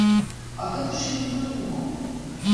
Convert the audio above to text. А гэта ж ён прыдумаў.